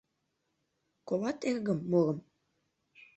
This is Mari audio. Колат, эргым, мурым.